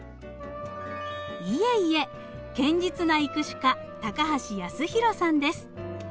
いえいえ堅実な育種家高橋康弘さんです。